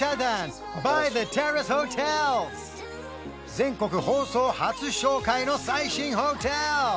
全国放送初紹介の最新ホテル！